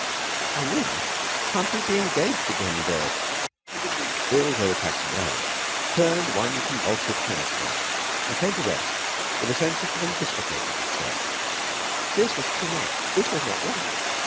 'I mean, can't we be engaged again, Bill?' Bill's overtaxed brain turned one convulsive hand spring, and came to rest with a sense of having dislocated itself. This was too much. This was not right.